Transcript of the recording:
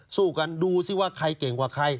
สู้กันดูสิว่าใครเก่งกว่าใคร